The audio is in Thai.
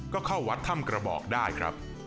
ก็เข้าวัดถ้ำกระบอกได้ครับ